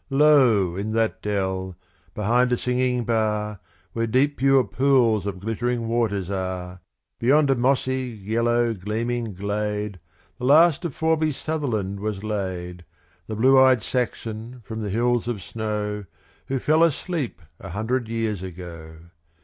Lo! in that dell, behind a singing bar, Where deep, pure pools of glittering waters are, Beyond a mossy, yellow, gleaming glade, The last of Forby Sutherland was laid The blue eyed Saxon from the hills of snow Who fell asleep a hundred years ago.